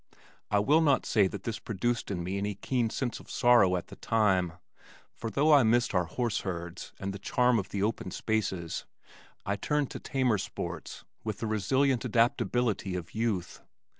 I will not say that this produced in me any keen sense of sorrow at the time, for though I missed our horse herds and the charm of the open spaces, I turned to tamer sports with the resilient adaptability of youth.